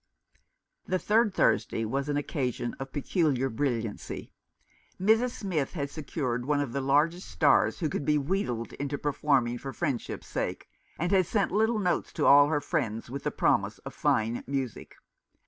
The third Thursday was an occasion of peculiar brilliancy. Mrs. Smith had secured one of the largest stars who could be wheedled into per forming for friendship's sake, and had sent little notes to all her friends, with the promise of fine music.